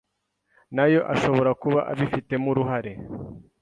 nayo ashobora kuba abifitemo uruhare